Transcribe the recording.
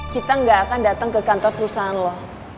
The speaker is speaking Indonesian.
kita gak akan datang ke kantor perusahaan lo